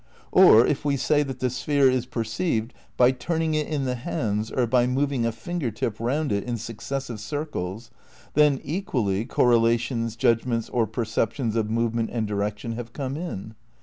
Or if we say that the sphere is perceived by turning it in the hands or by moving a finger tip round it in successive circles, then, equally, correlations, judgments or perceptions of movement and direction have come in.